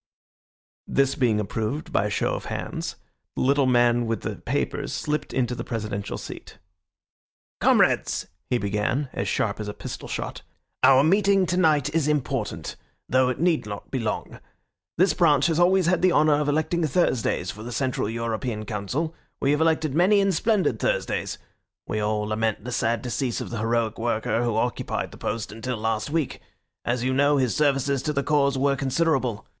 This being approved by a show of hands, the little man with the papers slipped into the presidential seat. "Comrades," he began, as sharp as a pistol shot, "our meeting tonight is important, though it need not be long. This branch has always had the honour of electing Thursdays for the Central European Council. We have elected many and splendid Thursdays. We all lament the sad decease of the heroic worker who occupied the post until last week. As you know, his services to the cause were considerable.